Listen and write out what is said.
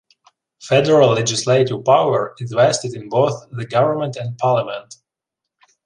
Federal legislative power is vested in both the government and parliament.